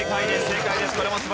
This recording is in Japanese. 正解です。